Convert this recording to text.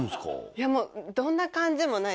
いやもうどんな感じもないです